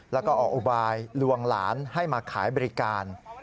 แล้วก็ออกอุบายลวงหลานให้มาขายบริการ